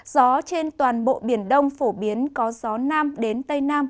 gió trên toàn bộ biển đông phổ biến có gió nam đến tây nam